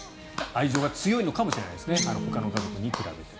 愛情が強いのかもしれないですねほかの家族に比べて。